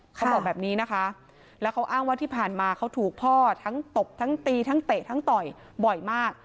เขาบอกแบบนี้นะคะแล้วเขาอ้างว่าที่ผ่านมาเขาถูกพ่อทั้งตบทั้งตีทั้งเตะทั้งต่อยบ่อยมาก